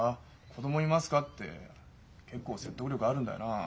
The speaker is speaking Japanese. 「子供いますか」って結構説得力あるんだよな。